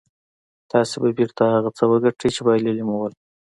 تاسې به بېرته هغه څه وګټئ چې بايللي مو وو.